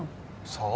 さあ？